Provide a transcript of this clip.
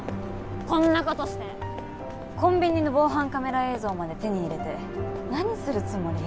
こんなことしてコンビニの防犯カメラ映像まで手に入れて何するつもり？